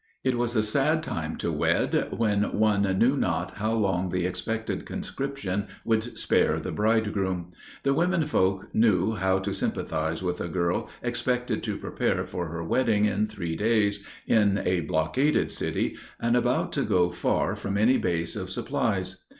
It was a sad time to wed, when one knew not how long the expected conscription would spare the bridegroom. The women folk knew how to sympathize with a girl expected to prepare for her wedding in three days, in a blockaded city, and about to go far from any base of supplies.